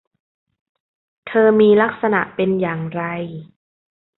เธอมีลักษณะเป็นอย่างไร ?